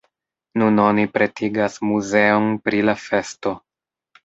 Nun oni pretigas muzeon pri la festo.